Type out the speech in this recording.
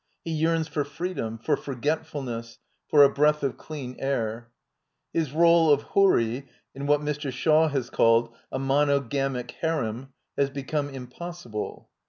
He yearns for freedom, for forgetfulness, for a breath of clean air. His role of houri in what Mr. Shaw has called a monogamic harem " has become impossible.